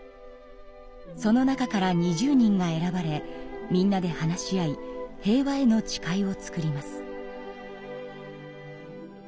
その中から２０人が選ばれみんなで話し合い「平和への誓い」を作ります。